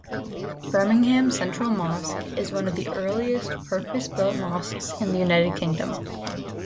Birmingham Central Mosque is one of the earliest purpose-built mosques in the United Kingdom.